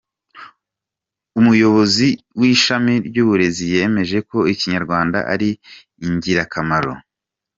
Umuyobozi w'ishami ry'uburezi yemeje ko Ikinyarwanda ari ingirakamaro.